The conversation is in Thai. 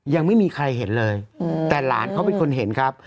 ยังไม่มีใครเห็นเลยแต่หลานเขาเป็นคนเห็นครับ